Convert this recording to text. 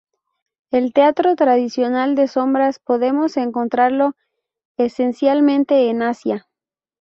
El teatro tradicional de sombras podemos encontrarlo esencialmente en Asia.